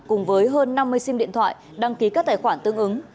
cùng với hơn năm mươi sim điện thoại đăng ký các tài khoản tương ứng